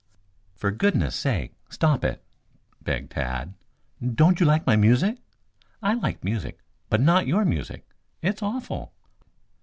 "For goodness' sake stop it!" begged Tad. "Don't you like my music?" "I like music, but not your music. It's awful."